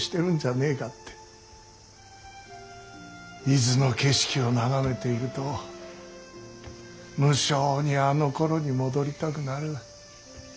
伊豆の景色を眺めていると無性にあのころに戻りたくなる。